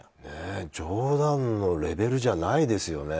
冗談のレベルじゃないですよね。